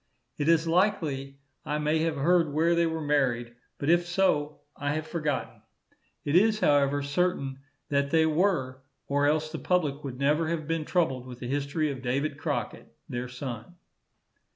It is likely I may have heard where they were married, but if so, I have forgotten. It is, however, certain that they were, or else the public would never have been troubled with the history of David Crockett, their son.